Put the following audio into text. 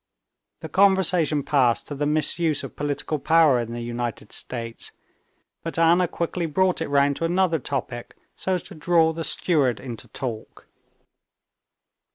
The conversation passed to the misuse of political power in the United States, but Anna quickly brought it round to another topic, so as to draw the steward into talk.